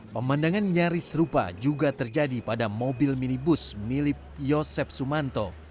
pemandangan nyaris rupa juga terjadi pada mobil minibus milik yosep sumanto